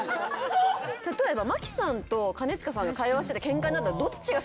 例えば麻貴さんと兼近さんが会話しててケンカになったらどっちが。